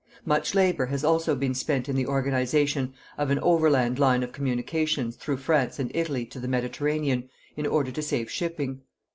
Much labour has also been spent in the organisation of an Overland Line of Communication through France and Italy to the Mediterranean in order to save shipping.